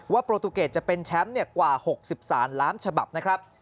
โปรตูเกตจะเป็นแชมป์กว่า๖๓ล้านฉบับนะครับ